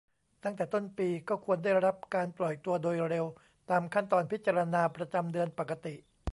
ตั้งแต่ต้นปี ก็ควรได้รับการปล่อยตัวโดยเร็วตามขั้นตอนพิจารณาประจำเดือนปกติ